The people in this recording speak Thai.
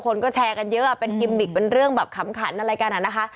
คนก็แชร์กันเยอะเป็นกิมมิกเป็นเรื่องแบบขำขันอะไรกันอ่ะนะคะ